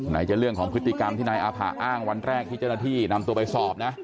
ไหนจะเรื่องของพฤติกรรมที่นายอาผะอ้างวันแรกที่เจ้าหน้าที่นำตัวไปสอบนะ